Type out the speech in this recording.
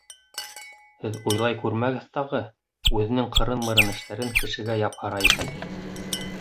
Һеҙ уйлай күрмәгеҙ тағы, үҙенең ҡырын-мырын эштәрен кешегә япһара икән тип.